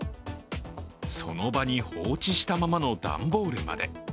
その場に放置したままの段ボールまで。